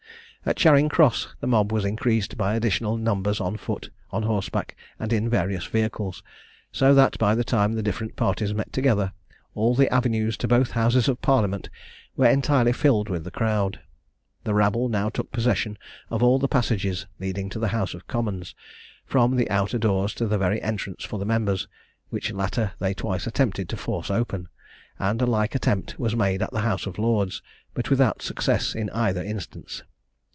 At Charing Cross, the mob was increased by additional numbers on foot, on horseback, and in various vehicles, so that by the time the different parties met together, all the avenues to both houses of Parliament were entirely filled with the crowd. The rabble now took possession of all the passages leading to the House of Commons, from the outer doors to the very entrance for the members; which latter they twice attempted to force open; and a like attempt was made at the House of Lords, but without success in either instance.